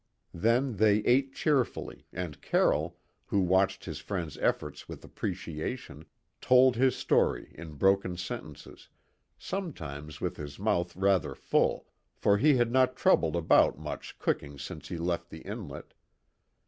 Then they ate cheerfully, and Carroll, who watched his friend's efforts with appreciation, told his story in broken sentences sometimes with his mouth rather full, for he had not troubled about much cooking since he left the inlet.